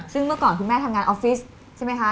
ซึ่งเมื่อก่อนคุณแม่ทำงานออฟฟิศใช่ไหมคะ